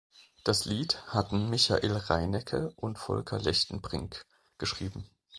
Das Lied hatten Michael Reinecke und Volker Lechtenbrink geschrieben.